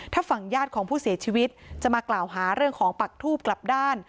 ถ้าฝั่งญาติของผู้เสียชีวิตจะมากล่าวหาเรื่องของปักทูบกลับด้าน